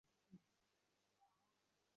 সত্যি বলতে ইঞ্জিনিয়ারিং করাটা এতটাও কঠিন ছিল না।